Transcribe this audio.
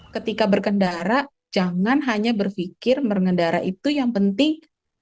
ketika berkendara jangan hanya berpikir berkendara itu yang penting